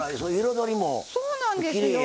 そうなんですよ。